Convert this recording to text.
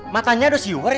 matanya udah siur ya